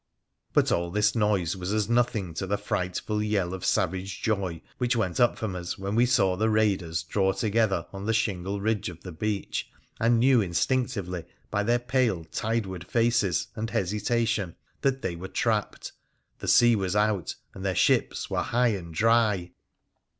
But all this noise was as nothing to the frightful yell of savage joy which went up from us when we saw the raiders draw together on the shingle ridge of the beach, and knew in stinctively by their pale, tideward faces and hesitation that they were trapped — the sea was out, and their ships were high and dry